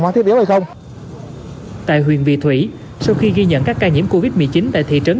hóa thiết yếu hay không tại huyện vị thủy sau khi ghi nhận các ca nhiễm covid một mươi chín tại thị trấn